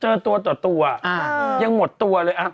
เจอตัวต่อตัวยังหมดตัวเลย